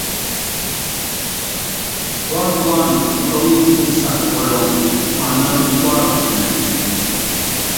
Tuátúan tútɔ́ŋɛt isak ɔlɔŋ maná tuá pitimɛn.